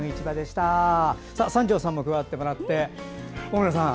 三條さんも加わってもらって小村さん